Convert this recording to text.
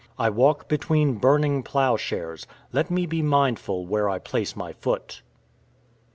I walk between burning ploughshares; let me be mindful where I place my foot.